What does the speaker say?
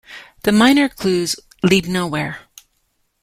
The minor clues lead nowhere.